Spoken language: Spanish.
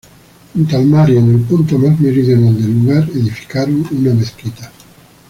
Junto al mar y en el punto más meridional del lugar edificaron una mezquita.